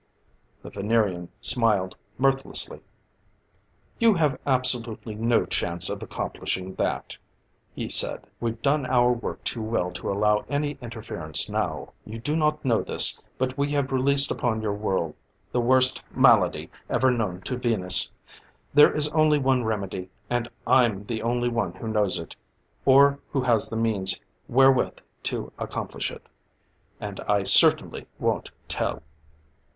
The Venerian smiled mirthlessly. "You have absolutely no chance of accomplishing that," he said. "We've done our work too well to allow any interference now. "You do not know this, but we have released upon your world the worst malady ever known to Venus. There is only one remedy; and I'm the only one who knows it, or who has the means wherewith to accomplish it. And I certainly won't tell!"